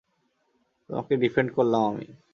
তোমাকে ডিফেন্ড করলাম আমি।